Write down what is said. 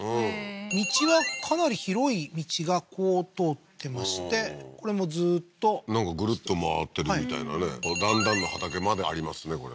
道はかなり広い道がこう通ってましてこれもずーっとなんかグルッと回ってるみたいなね段々の畑までありますね